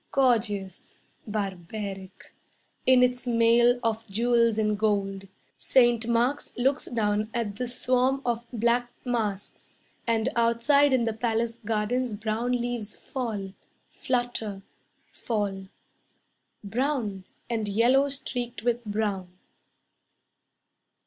Gorgeous barbaric In its mail of jewels and gold, Saint Mark's looks down at the swarm of black masks; And outside in the palace gardens brown leaves fall, Flutter, Fall. Brown, And yellow streaked with brown.